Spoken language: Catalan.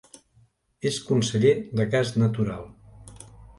És conseller de Gas Natural.